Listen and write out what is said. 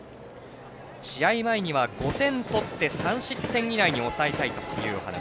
試合前には５点取って３失点以内に抑えたいというお話。